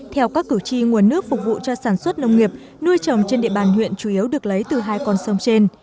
theo các cử tri nguồn nước phục vụ cho sản xuất nông nghiệp nuôi trồng trên địa bàn huyện chủ yếu được lấy từ hai con sông trên